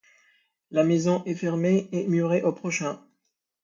La maison est fermée et murée au prochain!